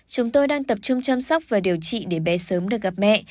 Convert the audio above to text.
chúng tôi đang tập trung chăm sóc và điều trị để bé sớm được gặp mẹ